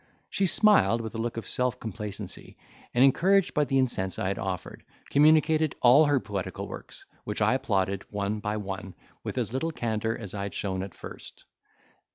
She smiled with a look of self complacency, and encouraged by the incense I had offered, communicated all her poetical works which I applauded, one by one, with as little candour as I had shown at first.